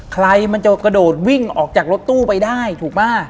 ใครมันจะกระโดดวิ่งออกจากรถตู้ไปได้ถูกป่ะ